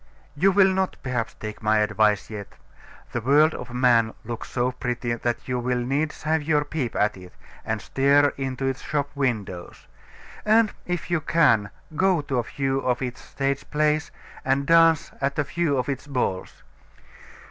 You will not, perhaps, take my advice yet. The world of man looks so pretty, that you will needs have your peep at it, and stare into its shop windows; and if you can, go to a few of its stage plays, and dance at a few of its balls.